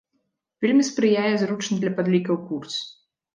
Вельмі спрыяе зручны для падлікаў курс.